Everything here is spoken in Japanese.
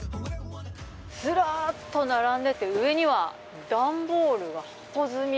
ずらっと並んでて、上には段ボールが箱積み。